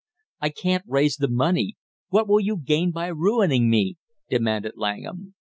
"I can't raise the money; what will you gain by ruining me?" demanded Langham.